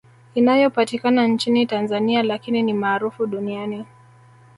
Inayopatikana nchini Tanzania lakini ni maarufu duniani